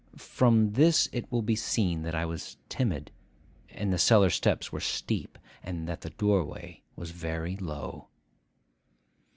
From this it will be seen that I was timid, and that the cellar steps were steep, and that the doorway was very low.